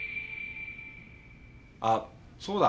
あっそうだ。